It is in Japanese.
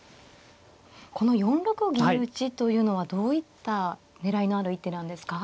この４六銀打というのはどういった狙いのある一手なんですか。